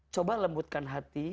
coba lembutkan hati